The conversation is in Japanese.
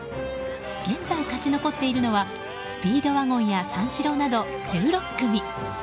現在、勝ち残っているのはスピードワゴンや三四郎など１６組。